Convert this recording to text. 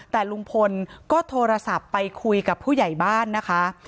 แต่ลุงพลก็โทรศัพท์ไปคุยกับผู้ใหญ่บ้านนะคะ